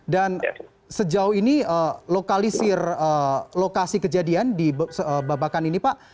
dan sejauh ini lokalisir lokasi kejadian di babakan ini pak